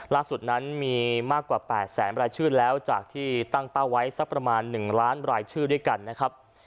ล่าสุดนั้นมีมากกว่า๘แสนรายชื่อแล้วจากที่ตั้งเป้าไว้สักประมาณ๑ล้านรายชื่อด้วยกันนะครับ